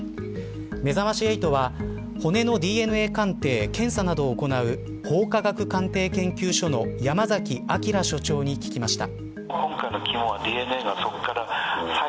めざまし８は骨のＤＮＡ鑑定検査などを行う法科学鑑定研究所の山崎昭所長に聞きました。